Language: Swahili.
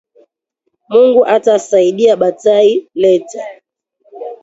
Mungu ata saidia batai leta